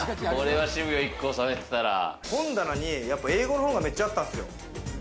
本棚に英語の本がめっちゃあったんすよ。